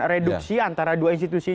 reduksi antara dua institusi